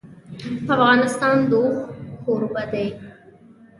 افغانستان د اوښ کوربه دی.